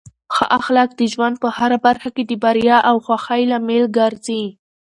ښه اخلاق د ژوند په هره برخه کې د بریا او خوښۍ لامل ګرځي.